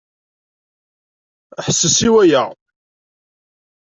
Ḥesses i waya!